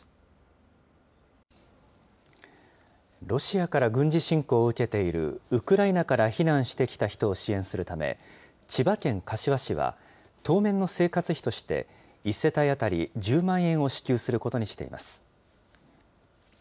ロシアから軍事侵攻を受けている、ウクライナから避難してきた人を支援するため、千葉県柏市は、当面の生活費として、１世帯当たり１０万円を支給することにしています。